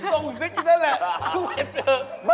เต็กใจที่เต็กซัน